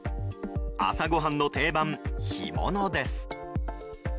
朝ごはんの定番、干物です。